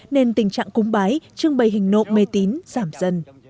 nên tình trạng cung bái trương bày hình nộm mê tín giảm dần